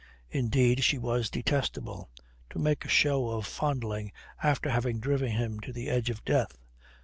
Indeed, she was detestable. To make a show of fondling after having driven him to the edge of death!